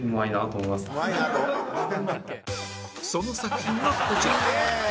その作品がこちら